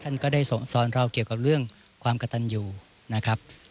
ท่านก็ได้สอนเราเกี่ยวกับเรื่องความกระตันอยู่นะครับ